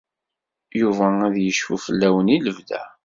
Yuba ad yecfu fell-awen i lebda.